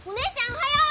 おはよう！